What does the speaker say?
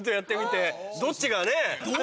どっちがね。